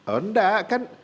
oh enggak kan